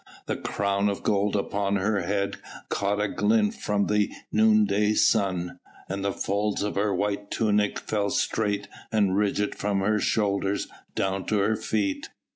The crown of gold upon her head caught a glint from the noonday sun, and the folds of her white tunic fell straight and rigid from her shoulders down to her feet.